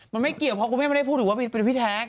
มันไม่เกี่ยวเพราะคุณแม่ไม่ได้พูดถึงว่าเป็นพี่แท้